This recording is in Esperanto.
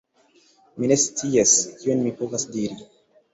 Mi ne scias, kion mi povas diri.